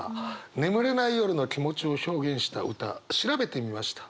眠れない夜の気持ちを表現した歌調べてみました。